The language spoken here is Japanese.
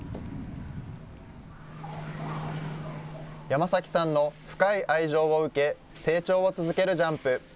山崎さんの深い愛情を受け、成長を続けるジャンプ。